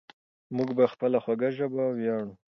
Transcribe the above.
موږ په خپله خوږه ژبه ویاړو.